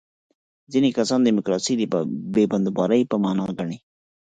ځینې کسان دیموکراسي د بې بندوبارۍ په معنا ګڼي.